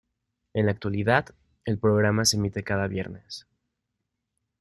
En la actualidad, el programa se emite cada viernes.